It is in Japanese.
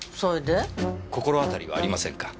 心当たりはありませんか？